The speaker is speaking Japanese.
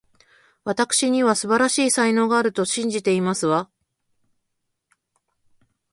わたくしには、素晴らしい才能があると信じていますわ